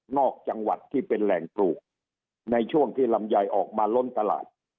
อกจังหวัดที่เป็นแหล่งปลูกในช่วงที่ลำไยออกมาล้นตลาด